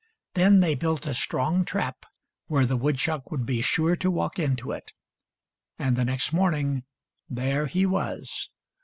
Then they built a strong trap where the woodchuck would be sure to walk into it ; and the next morning, there he was.